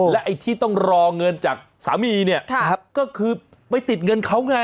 และไอ้ที่ต้องรอเงินจากสามีเนี่ยก็คือไปติดเงินเขาไง